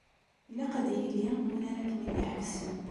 Ilaq ad yili win ara kem-id-iḥebsen.